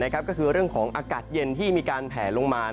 ก็คือเรื่องของอากาศเย็นที่มีการแผลลงมา